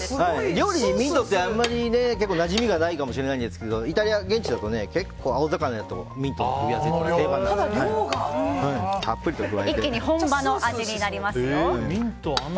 料理にミントってあんまりなじみがないかもしれないんですがイタリア、現地だと結構、青魚とミントの一気に本場の味になりますよ。